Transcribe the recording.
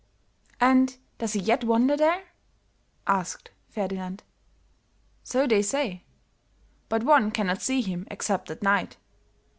"And does he yet wander there?" asked Ferdinand. "So they say; but one cannot see him except at night.